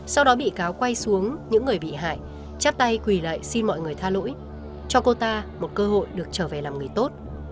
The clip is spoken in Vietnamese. sau đó bị cáo quay xuống những người bị hại chép tay quỳ lại xin mọi người tha lỗi cho cô ta một cơ hội được trở về làm người tốt